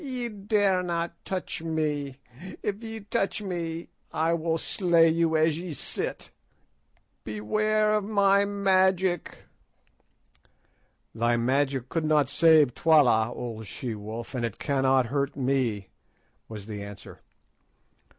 "Ye dare not touch me. If ye touch me I will slay you as ye sit. Beware of my magic." "Thy magic could not save Twala, old she wolf, and it cannot hurt me," was the answer.